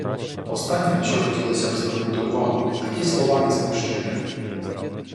Останнє, на що хотілося б звернути увагу, – такі слова із книжчини: